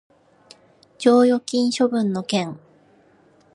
剰余金処分の件